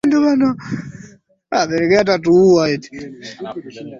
Ungejua mimi ni maji yaliyo hai.